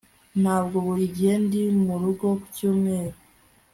ntabwo buri gihe ndi murugo ku cyumweru